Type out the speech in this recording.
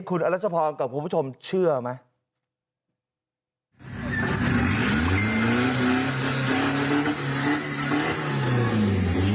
คุณอรัชพรกับคุณผู้ชมเชื่อไหม